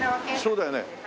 そうだよね。